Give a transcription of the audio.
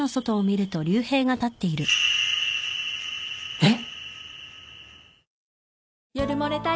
えっ！？